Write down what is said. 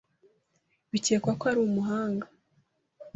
Bikekwa ko ari umuhanga.